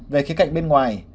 về khía cạnh bên ngoài